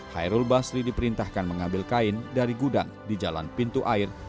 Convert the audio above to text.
hairul basri diperintahkan mengambil kain dari gudang di jalan pintu air